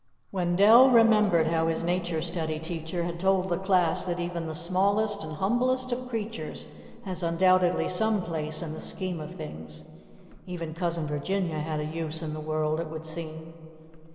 Wendell remembered how his nature study teacher had told the class that even the smallest and humblest of creatures has undoubtedly some place in the scheme of things. Even Cousin Virginia had a use in the world, it would seem.